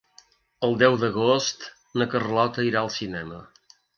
El deu d'agost na Carlota irà al cinema.